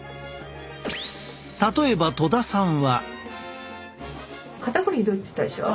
例えば戸田さんは。